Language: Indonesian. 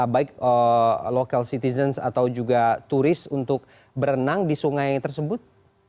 baik local citizens atau juga turis untuk berenang di sungai tersebut